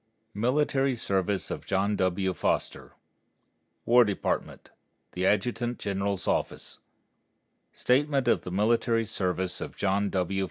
MILITARY SERVICE OF JOHN W. FOSTER WAR DEPARTMENT THE ADJUTANT GENERAL'S OFFICE STATEMENT OF THE MILITARY SERVICE OF JOHN W.